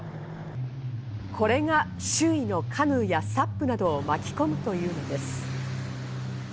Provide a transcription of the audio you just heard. これが周囲のカヌーやサップなどを巻き込むというのです。